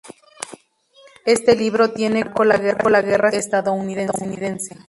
Este libro tiene como marco la Guerra Civil Estadounidense.